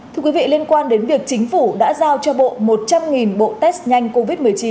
thưa quý vị liên quan đến việc chính phủ đã giao cho bộ một trăm linh bộ test nhanh covid một mươi chín